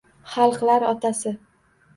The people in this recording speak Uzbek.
Xalqlar otasi